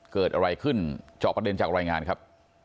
เกิดอะไรขึ้นจอบประเด็นจากรายงานครับ